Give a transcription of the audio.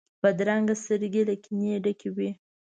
بدرنګه سترګې له کینې ډکې وي